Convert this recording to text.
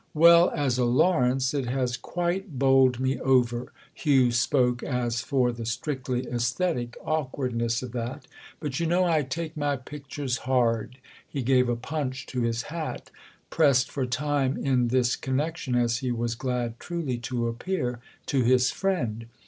"Well, as a Lawrence, it has quite bowled me over"—Hugh spoke as for the strictly aesthetic awkwardness of that. "But you know I take my pictures hard." He gave a punch to his hat, pressed for time in this connection as he was glad truly to appear to his friend.